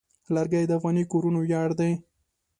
لرګی د افغاني کورنو ویاړ دی.